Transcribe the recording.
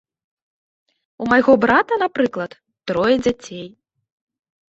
У майго брата, напрыклад, трое дзяцей.